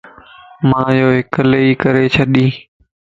مان ايو اڪيلي ھي ڪري ڇڏين